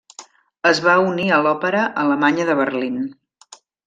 Es va unir a l'Òpera Alemanya de Berlín.